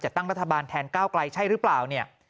ตั้งรัฐบาลแทนก้าวไกลใช่หรือเปล่าเนี่ย